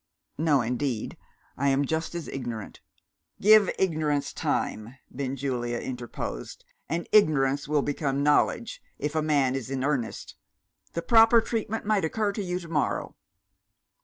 "No, indeed, I am just as ignorant " "Give ignorance time," Benjulia interposed, "and ignorance will become knowledge if a man is in earnest. The proper treatment might occur to you to morrow."